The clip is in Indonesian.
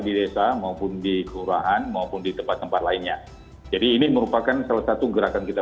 di desa maupun di kelurahan maupun di tempat tempat lainnya jadi ini merupakan salah satu gerakan kita